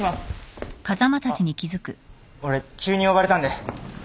あっ俺急に呼ばれたんで。